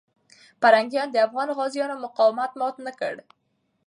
پرنګیان د افغان غازیانو مقاومت مات نه کړ.